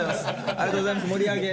ありがとうございます盛り上げ。